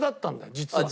実は？